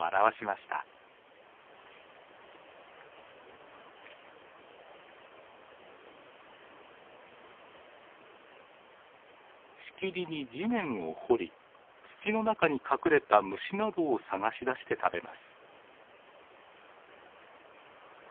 しきりに地面を掘り土の中に隠れた虫などを探し出して食べます。